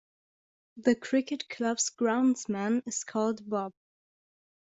The cricket club’s groundsman is called Bob